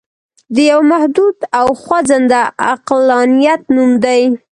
د یوه محدود او خوځنده عقلانیت نوم دی.